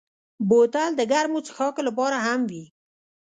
بوتل د ګرمو څښاکو لپاره هم وي.